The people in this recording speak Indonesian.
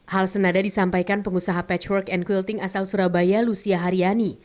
hal senada disampaikan pengusaha patchwork and quilting asal surabaya lucia haryani